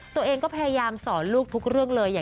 ตัวเองก็พยายามสอนลูกทุกเรื่องเลย